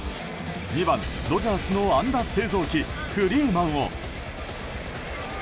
２番、ドジャースの安打製造機フリーマンを。